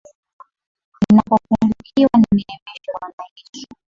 Ninapopungukiwa nineemeshe bwana Yesu.